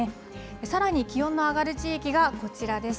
さらに気温の上がる地域がこちらです。